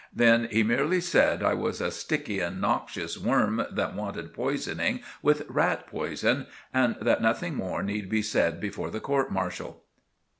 Then he merely said I was a sticky and noxious worm that wanted poisoning with rat poison, and that nothing more need be said before the court martial.